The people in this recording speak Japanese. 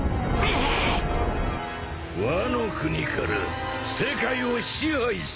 ワノ国から世界を支配する。